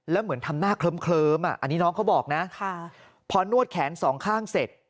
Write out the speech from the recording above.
แล้วเหมือนทำหน้าเคลิ้มอันนี้น้องเขาบอกนะพอนวดแขนสองข้างเสร็จ